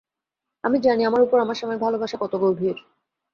আমি জানি আমার উপর আমার স্বামীর ভালোবাসা কত গভীর।